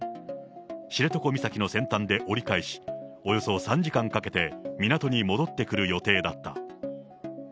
知床岬の先端で折り返し、およそ３時間かけて港に戻ってくる予定だった。